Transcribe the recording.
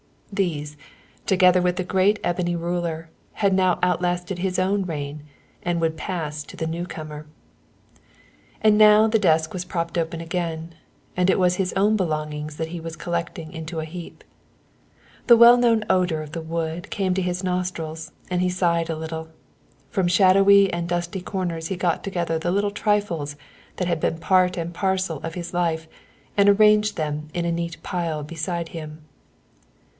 These, together with the great ebony ruler, had now outlasted his own reign and would pass to the new comer. And now the desk was propped open again, and it was his own belongings that he was collecting into a heap. The well known odour of the wood came to his nostrils and he sighed a little. From shadowy and dusty corners he got together the little trifles that had been part and parcel of his life and arranged them in a neat pile beside him.